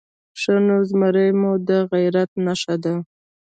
_ښه نو، زمری مو د غيرت نښه ده؟